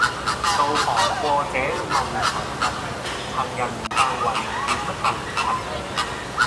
道旁過者問行人，行人但云點行頻。